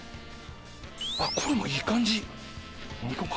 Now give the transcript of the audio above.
あっこれもいい感じ！